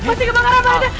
masih kebakaran pak rete